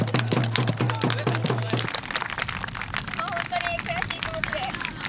本当に悔しい気持ちで。